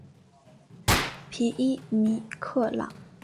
皮伊米克朗。